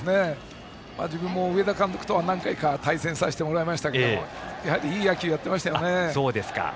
自分も上田監督とは何回か対戦しましたけどいい野球をやってましたよね。